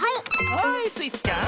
はいスイちゃん。